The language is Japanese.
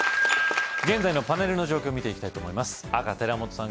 現在のパネルの状況見ていきたいと思います赤・寺本さん